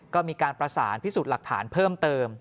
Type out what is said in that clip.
ก็มีการประสานพิสูจน์หลักฐานเพิ่มเติม